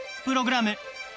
プログラム